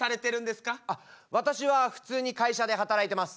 私は普通に会社で働いてます。